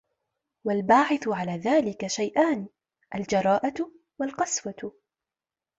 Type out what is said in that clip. وَالْبَاعِثُ عَلَى ذَلِكَ شَيْئَانِ الْجَرَاءَةُ وَالْقَسْوَةُ